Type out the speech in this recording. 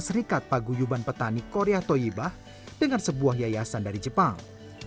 serikat paguyuban petani korea toyibah dengan sebuah yayasan dari jepang